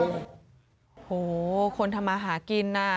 โอ้โฮคนทำมาหากิน